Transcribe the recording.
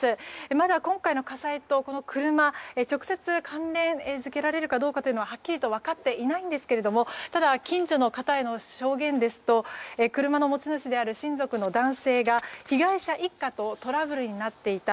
まだ今回の火災と、この車直接関連付けられるかははっきりと分かってはいないんですがただ、近所の方への証言ですと車の持ち主である親族の男性が被害者一家とトラブルになっていた。